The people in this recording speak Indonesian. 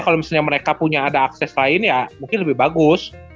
kalau punya ada akses lain ya mungkin lebih bagus